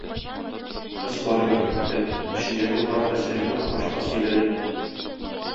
Кыз барыбер көтте, эчендәге бар хәсрәтне агачка сөйләде.